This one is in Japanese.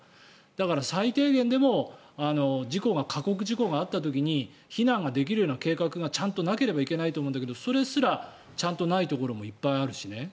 だから最低限でも過酷事故があった時に避難ができるような計画がちゃんとないといけないんだけどそれすらちゃんとないところもいっぱいあるしね。